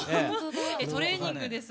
トレーニングです。